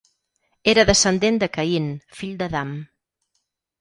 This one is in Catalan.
Era descendent de Caín, fill d'Adam.